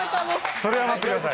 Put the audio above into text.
それは待ってください。